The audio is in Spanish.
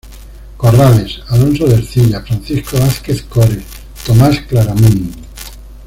Corrales, Alonso de Ercilla, Francisco Vázquez Cores, Tomás Claramunt.